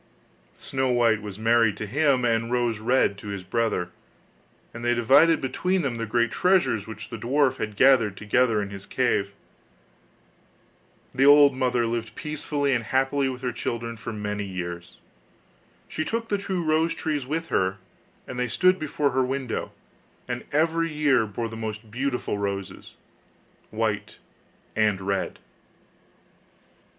Snow white was married to him, and Rose red to his brother, and they divided between them the great treasure which the dwarf had gathered together in his cave. The old mother lived peacefully and happily with her children for many years. She took the two rose trees with her, and they stood before her window, and every year bore the most beautiful roses, white and red.